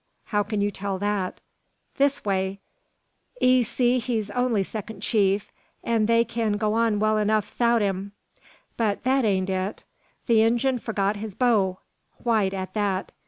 "How can you tell that?" "This way: 'Ee see he's only second chief, an' they kin go on well enough 'ithout him. But that ain't it. The Injun forgot his bow; white at that.